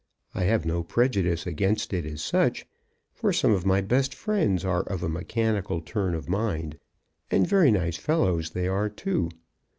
I have no prejudice against it as such, for some of my best friends are of a mechanical turn of mind, and very nice fellows they are too.